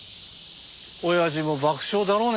親父も爆笑だろうね